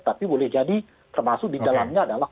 tapi boleh jadi termasuk di dalamnya adalah